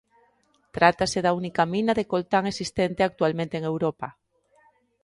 Trátase da única mina de coltán existente actualmente en Europa.